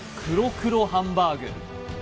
黒×黒ハンバーグ